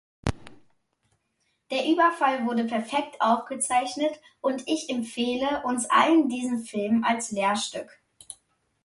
Der Überfall wurde perfekt aufgezeichnet, und ich empfehle uns allen diesen Film als Lehrstück.